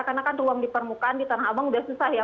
karena kan ruang di permukaan di tanah abang sudah susah ya